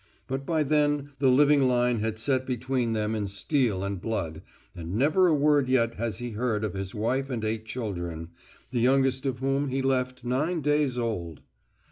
But by then the living line had set between them in steel and blood, and never a word yet has he heard of his wife and eight children, the youngest of whom he left nine days old!